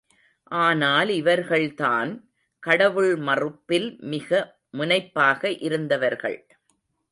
ஆனால் இவர்கள் தான் கடவுள் மறுப்பில் மிக முனைப்பாக இருந்தவர்கள்.